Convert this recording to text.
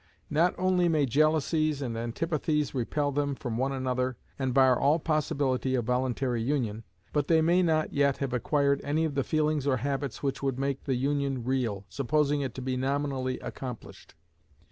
Not only may jealousies and antipathies repel them from one another, and bar all possibility of voluntary union, but they may not yet have acquired any of the feelings or habits which would make the union real, supposing it to be nominally accomplished.